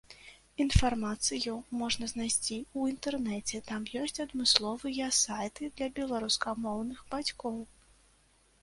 Інфармацыю можна знайсці ў інтэрнэце, там ёсць адмысловыя сайты для беларускамоўных бацькоў.